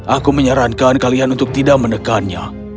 aku menyarankan kalian untuk tidak menekannya